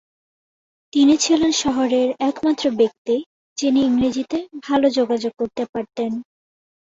তিনি ছিলেন শহরের একমাত্র ব্যক্তি যিনি ইংরেজিতে ভাল যোগাযোগ করতে পারতেন।